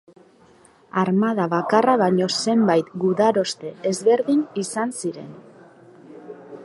Armada bakarra baino zenbait gudaroste ezberdin izan ziren.